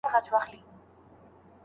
هغې د خاوند سره ښه مفاهمه نه سوای کولای.